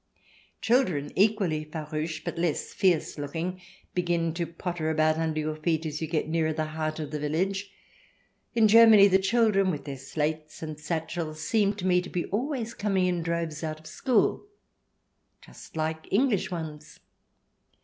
Children G.qu2L\\y farouche, but less fierce looking, begin to potter about under your feet as you get nearer the heart of the village. In Germany the children, with their slates and satchels, seem to me to be always coming in droves out of school, just like English ones.